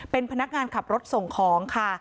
เป็นพนักงานขับรถส่งของค่ะ